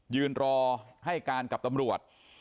ยืนรอให้การกับตำรวจ